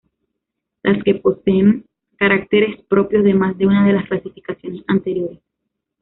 Las que poseen caracteres propios de más de una de las clasificaciones anteriores.